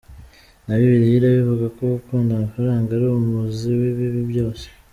Na Bibiliya irabivuga ko gukunda amafaranga ari umuzi w’ibibi byose.